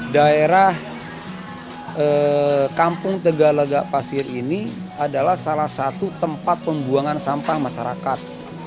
daerah kampung tegalagak pasir ini adalah salah satu tempat pembuangan sampah masyarakat